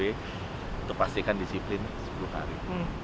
itu pastikan disiplin sepuluh hari